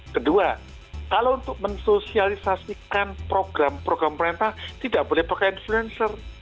kedua kalau untuk mensosialisasikan program program pemerintah tidak boleh pakai influencer